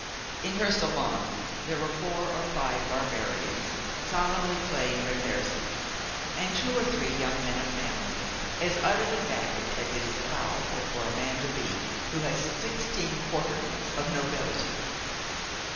In her salon there were four or five barbarians solemnly playing reversi, and two or three young men of family, as utterly vapid as it is allowable for a man to be who has sixteen quarterings of nobility.